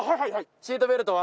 シートベルトは？